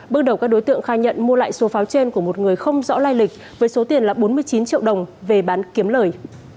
bước đầu các đối tượng khai nhận mua lại số pháo trên của một người không rõ lai lịch với số tiền là bốn mươi chín triệu đồng về bán kiếm lời